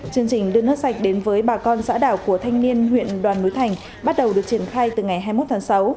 chương trình đưa nước sạch đến với bà con xã đảo của thanh niên huyện đoàn núi thành bắt đầu được triển khai từ ngày hai mươi một tháng sáu